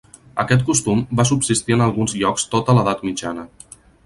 Aquest costum va subsistir en alguns llocs tota l'edat mitjana.